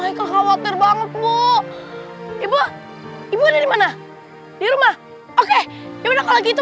heikel khawatir banget bu ibu ibu dimana di rumah oke yaudah kalau gitu